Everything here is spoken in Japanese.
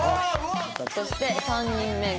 そして３人目が。